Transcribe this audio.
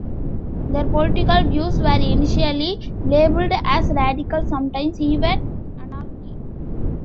Their political views were initially labeled as radical, sometimes even anarchic.